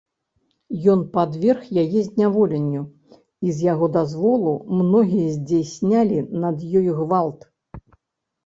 Ён падверг яе зняволенню, і з яго дазволу многія здзяйснялі над ёй гвалт.